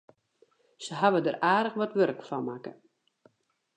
Se hawwe der aardich wat wurk fan makke.